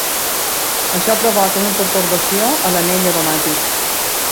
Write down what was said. Això provoca una pertorbació a l'anell aromàtic.